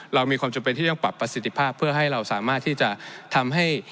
เรามีความจำเป็นที่ต้องปรับประสิทธิภาพเพื่อให้เราสามารถที่จะทำให้